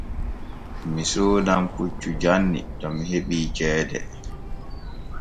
Mi soodan puccu janni to mi heɓii ceede.